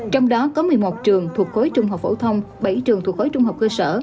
trong đó có một mươi một trường thuộc khối trung học phổ thông bảy trường thuộc khối trung học cơ sở